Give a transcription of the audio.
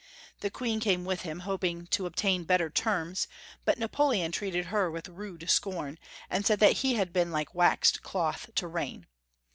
The Queen came with him, hoping to obtain better terms, but Napoleon treated her with rude scorn, and said that he had been like waxed cloth to rain.